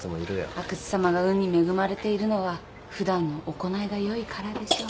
阿久津さまが運に恵まれているのは普段の行いが良いからでしょう。